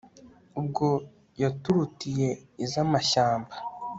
Ubwo yaturutiye izamashyamba